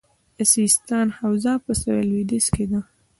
د سیستان حوزه په سویل لویدیځ کې ده